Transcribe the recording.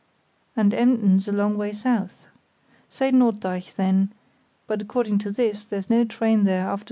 "And Emden's a long way south. Say Norddeich then; but according to this there's no train there after 6.